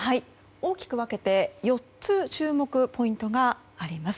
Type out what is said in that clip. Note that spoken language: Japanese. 大きく分けて４つの注目ポイントがあります。